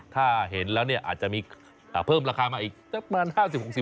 ถ้าเห็นแล้วเนี่ยอาจมีเพิ่มราคามาอีก๕๐๖๐บาท